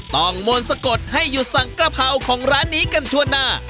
มนต์สะกดให้หยุดสั่งกระเพราของร้านนี้กันทั่วหน้า